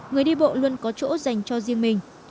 người đi bộ luôn có chỗ dành cho riêng mình